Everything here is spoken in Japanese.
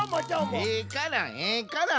ええからええから。